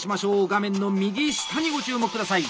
画面の右下にご注目ください。